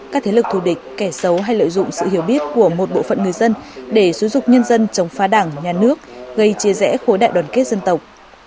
các thế lực thù địch kẻ xấu hay lợi dụng sự hiểu biết của một bộ phận người dân để xúi dục nhân dân chống phá đảng nhà nước gây chia rẽ khối đại đoàn kết dân tộc